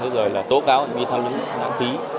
rồi là tố cáo đi thăm những lãng phí